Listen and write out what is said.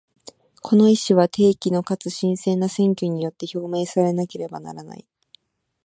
この意思は、定期のかつ真正な選挙によって表明されなければならない。